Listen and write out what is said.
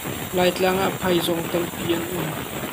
Laitlang ah phaizawng tampi an um.